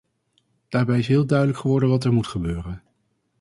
Daarbij is heel duidelijk geworden wat er moet gebeuren.